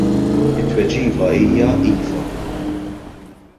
It-tweġiba hija ' Iva'.